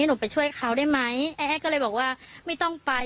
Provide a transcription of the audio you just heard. หนูไปช่วยเขาได้ไหมไอ้ก็เลยบอกว่าไม่ต้องไป